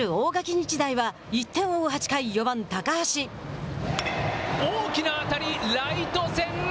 日大は１点を追う８回大きな当たり、ライト線。